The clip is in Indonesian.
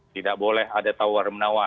tidak boleh ada tawar menawar